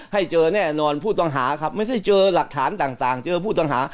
ให้เจอแน่นอนผู้ต้องหาครับไม่ใช่เจอหลักฐานต่างเจอผู้ต้องหา